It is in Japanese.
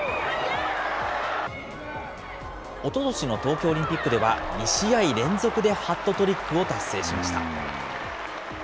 おととしの東京オリンピックでは２試合連続でハットトリックを達成しました。